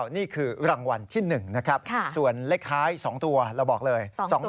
นี่คือรางวัลที่๑นะครับส่วนเลขท้าย๒ตัวเราบอกเลย